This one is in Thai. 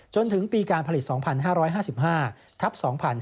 จนถึงปีการผลิต๒๕๕๕ทับ๒๕๕๙